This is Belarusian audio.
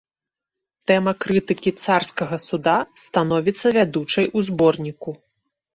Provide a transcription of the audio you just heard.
Тэма крытыкі царскага суда становіцца вядучай у зборніку.